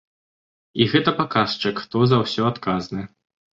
І гэта паказчык, хто за ўсё адказны.